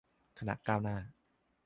คณะก้าวหน้า